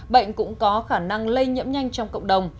bệnh cũng có khả năng lây nhiễm nhanh trong cộng đồng